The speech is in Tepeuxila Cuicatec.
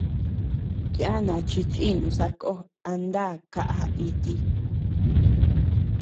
Yana chi chìnu sako a nda kaʼa iti.